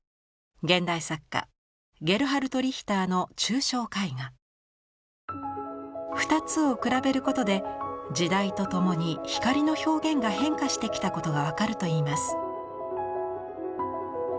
現代作家二つを比べることで時代とともに光の表現が変化してきたことが分かるといいます。